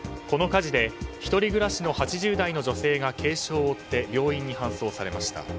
この火事で１人暮らしの８０代の女性が軽傷を負って病院に搬送されました。